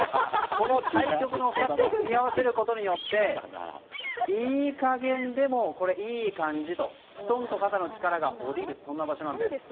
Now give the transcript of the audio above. この対極の２つを組み合わせることでいい加減でもいい感じとすとんと肩の力が下りる場所なんです。